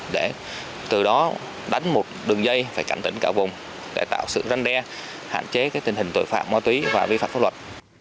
để từ đó đánh một đường dây phải cảnh tỉnh cả vùng để tạo sự răn đe hạn chế tình hình tội phạm ma túy và vi phạm pháp luật